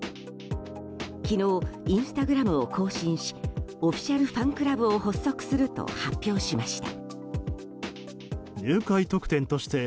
昨日、インスタグラムを更新しオフィシャルファンクラブを発足すると発表しました。